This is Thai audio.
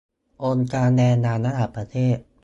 องค์การแรงงานระหว่างประเทศ